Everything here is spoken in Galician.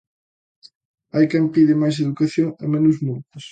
Hai quen pide máis educación e menos multas.